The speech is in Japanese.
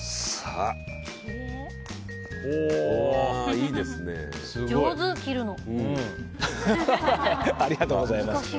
ありがとうございます。